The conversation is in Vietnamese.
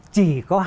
chỉ có hai năm